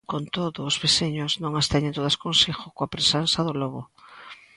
Con todo, os veciños non as teñen todas consigo coa presenza do lobo.